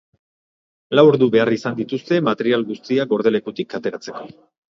Lau ordu behar izan dituzte material guztia gordelekutik ateratzeko.